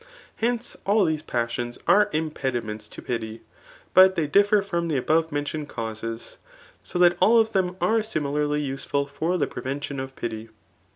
Hence, all these passions are impediments to pity ; but tfaejr differ hsom the abovenmentioned causes ; so that all of diem are stmilarly useful for the preventioa pf pity.